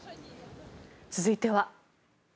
続いては。